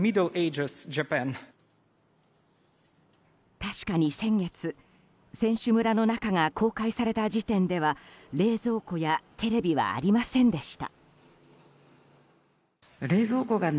確かに先月選手村の中が公開された時点では冷蔵庫やテレビはありませんでした。